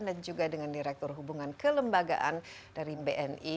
dan juga dengan direktur hubungan kelembagaan dari bni